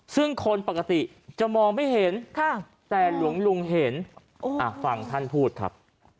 ซึ่งคนปกติจะมองไม่เห็นแต่หลวงลุงเห็นฟังท่านพูดครับ